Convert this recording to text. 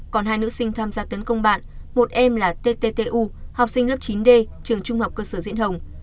còn hai nữ sinh tham gia tấn công bạn một em là ttu học sinh lớp chín d trường trung học cơ sở diễn hồng